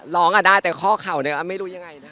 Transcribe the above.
ร้องอ่ะได้แต่ข้อเขาว่าไม่รู้ยังไง